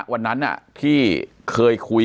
วันนั้นที่เคยคุย